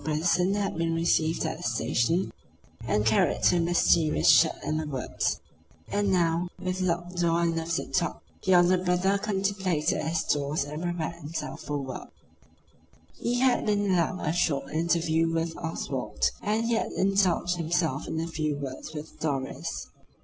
Brotherson had been received at the station, and carried to the mysterious shed in the woods; and now, with locked door and lifted top, the elder brother contemplated his stores and prepared himself for work. He had been allowed a short interview with Oswald, and he had indulged himself in a few words with Doris.